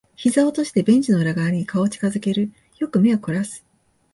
膝を落としてベンチの裏側に顔を近づける。よく目を凝らす。